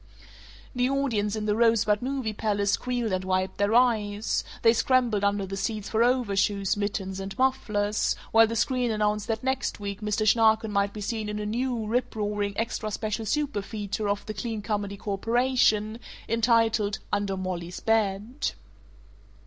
The audience in the Rosebud Movie Palace squealed and wiped their eyes; they scrambled under the seats for overshoes, mittens, and mufflers, while the screen announced that next week Mr. Schnarken might be seen in a new, riproaring, extra special superfeature of the Clean Comedy Corporation entitled, "Under Mollie's Bed."